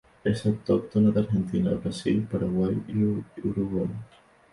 Es autóctona de Argentina, Brasil, Paraguay y Uruguay.